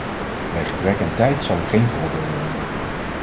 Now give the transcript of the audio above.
Bij gebrek aan tijd zal ik geen voorbeelden noemen.